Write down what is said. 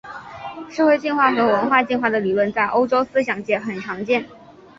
社会进化和文化进化的理论在欧洲思想界很常见。